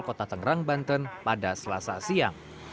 kota tangerang banten pada selasa siang